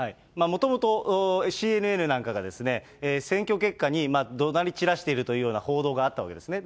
もともとＣＮＮなんかが、選挙結果に、どなり散らしているというような報道があったわけですね。